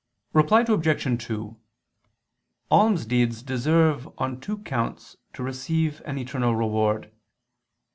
Reply Obj. 2: Almsdeeds deserve on two counts to receive an eternal reward.